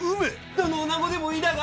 どの女子でもいいだが。